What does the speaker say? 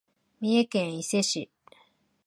三重県伊勢市